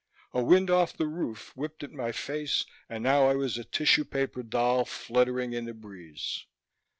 A wind off the roof whipped at my face and now I was a tissue paper doll, fluttering in the breeze.